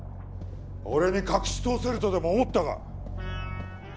俺に隠し通せるとでも思ったか？